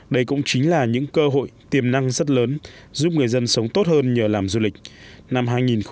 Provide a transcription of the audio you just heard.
đây cũng chính là những cơ hội tiềm năng rất lớn giúp người dân sống tốt hơn nhờ làm du lịch